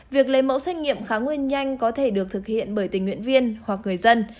việc lấy mẫu xét nghiệm kháng nguyên nhanh có thể được thực hiện bởi tình nguyện viên hoặc người dân